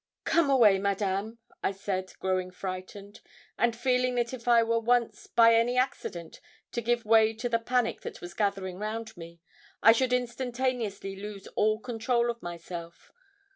'Come away, Madame,' I said, growing frightened, and feeling that if I were once, by any accident, to give way to the panic that was gathering round me, I should instantaneously lose all control of myself.